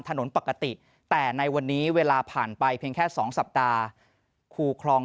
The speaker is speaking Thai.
ถนนปกติแต่ในวันนี้เวลาผ่านไปเพียงแค่สองสัปดาห์คู่คลอง